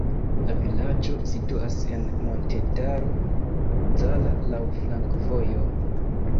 La vilaĝo situas en Montetaro Zala, laŭ flankovojo.